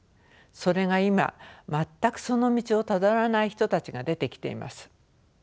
それが今全くその道をたどらない人たちが出てきています。